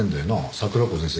桜子先生